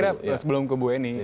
saya sebelum ke bu eni